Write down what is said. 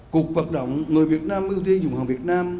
cục vật động người việt nam ưu tiên dùng hàng việt nam